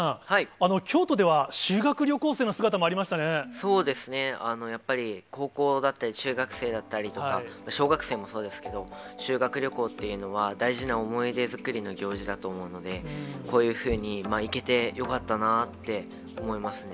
そうですね、やっぱり高校だったり中学生だったりとか、小学生もそうですけど、修学旅行っていうのは、大事な思い出作りの行事だと思うので、こういうふうに行けてよかったなって思いますね。